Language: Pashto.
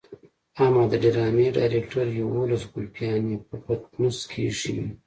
اما د ډرامې ډايرکټر يوولس ګلپيانې په پټنوس کې ايښې وي.